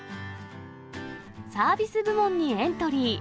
サービス部門にエントリー。